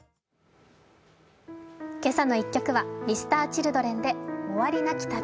「けさの１曲」はＭｒ．Ｃｈｉｌｄｒｅｎで「終わりなき旅」。